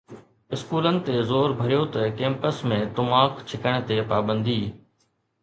اسڪولن تي زور ڀريو ته ڪيمپس ۾ تماڪ ڇڪڻ تي پابندي